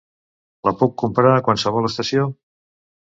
La puc comprar a qualsevol estació?